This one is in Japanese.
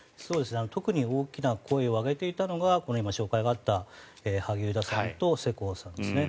特に大きな声を上げていたのが今、紹介があった萩生田さんと世耕さんですね。